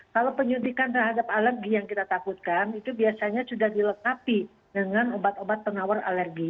kalau penyuntikan terhadap alergi yang kita takutkan itu biasanya sudah dilengkapi dengan obat obat penawar alergi